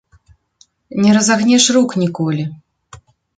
Не разагнеш рук ніколі.